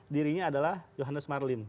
dirinya adalah johannes marlin